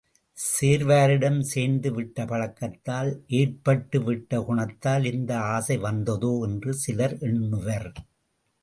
சேர்வாரிடம் சேர்ந்து விட்ட பழக்கத்தால் ஏற்பட்டு விட்ட குணத்தால் இந்த ஆசை வந்ததோ என்று சிலர் எண்ணுவர்.